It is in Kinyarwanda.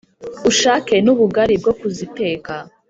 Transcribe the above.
ushake n'ubugali bwo kuziteka